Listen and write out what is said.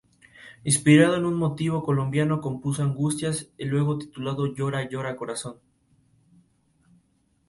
Inspirado en un motivo colombiano compuso "Angustias", luego titulado "Llora, llora corazón".